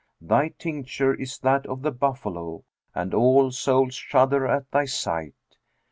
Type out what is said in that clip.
Thy tincture is that of the buffalo, and all souls shudder at thy sight.